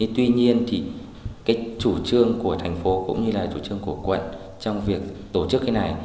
tuy nhiên thì cái chủ trương của thành phố cũng như là chủ trương của quận trong việc tổ chức cái này